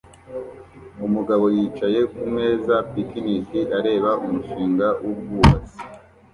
Umugabo yicaye kumeza picnic areba umushinga wubwubatsi